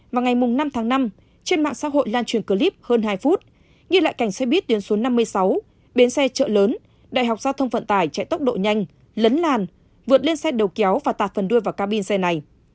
vào ngày năm tháng năm trên mạng xã hội lan truyền clip hơn hai phút ghi lại cảnh xe buýt tuyến số năm mươi sáu bến xe chợ lớn đại học giao thông vận tải chạy tốc độ nhanh lấn làn vượt lên xe đầu kéo và tạt phần đưa vào cabin xe này